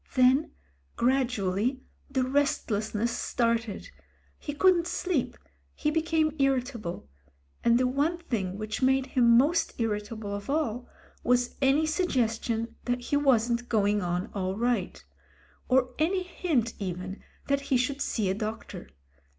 Then gradually the restless ness started; he couldn't sleep, he became irritable, — and the one thing which made him most irritable of all was any suggestion that he wasn't going on all right; or any hint even that he should see a doctor.